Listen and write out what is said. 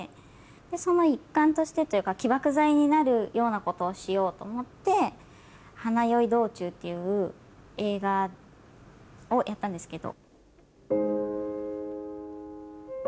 その一環としてというか。になるようなことをしようと思って『花宵道中』っていう映画をやったんですけど。